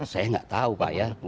saya nggak tahu pak ya